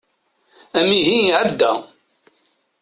Amihi iεedda.